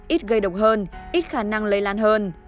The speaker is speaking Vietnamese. ít gây độc hơn ít khả năng lây lan hơn